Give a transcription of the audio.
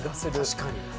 確かに。